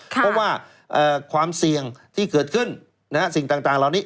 เพราะว่าความเสี่ยงที่เกิดขึ้นสิ่งต่างเหล่านี้